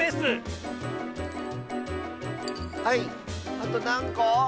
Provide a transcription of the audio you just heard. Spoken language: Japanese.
あとなんこ？